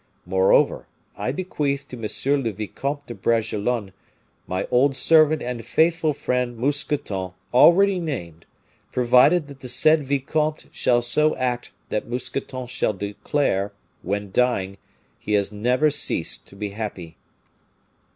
Moreover, I bequeath to M. le Vicomte de Bragelonne my old servant and faithful friend Mousqueton, already named, providing that the said vicomte shall so act that Mousqueton shall declare, when dying, he has never ceased to be happy."